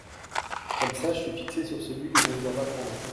Comme ça je suis fixée sur celui que je ne dois pas prendre !